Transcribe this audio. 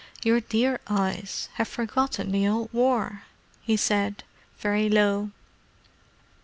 "Your dear eyes have forgotten the old War!" he said, very low.